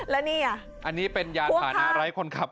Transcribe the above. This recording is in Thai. แล้วนี่อ่ะอันนี้เป็นยาฐานะไร้คนขับ